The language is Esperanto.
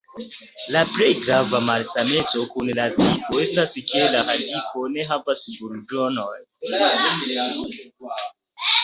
La plej grava malsameco kun la tigo estas ke la radiko ne havas burĝonojn.